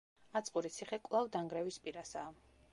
აწყურის ციხე კვლავ დანგრევის პირასაა.